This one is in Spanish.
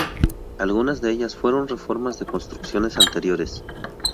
Algunas de ellas fueron reformas de construcciones anteriores.